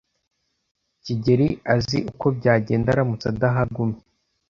kigeli azi uko byagenda aramutse adahagumye.